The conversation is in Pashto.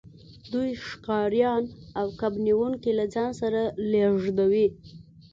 دوی ښکاریان او کب نیونکي له ځان سره لیږدوي